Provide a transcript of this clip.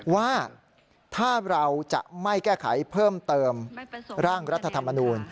ว่าถ้าเราจะไม่แก้ไขเพิ่มเติมร่างรัฐธรรมนูล